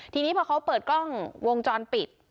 ทีนี้พอเขาเปิดกล้องวงจรปิด